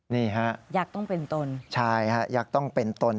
นี่ฮะใช่ฮะอยากต้องเป็นตน